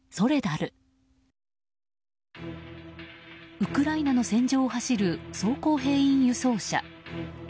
ウクライナの戦場を走る装甲兵員輸送車。